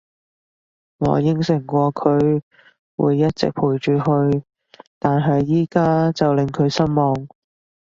我應承過佢會一直陪住佢，但係而家就令佢失望